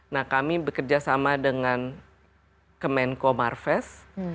nah kami bekerja sama dengan kemenko marves